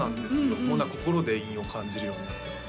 もう心で韻を感じるようになってますね